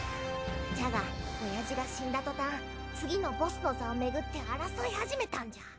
じゃがオヤジが死んだとたん次のボスの座をめぐって争い始めたんじゃ。